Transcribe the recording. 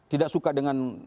tidak suka dengan